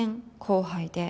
後輩で。